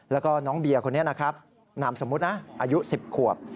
แล้วก็น้องเบียร์คนนี้หนังสมุทรอายุ๑๐ขวบ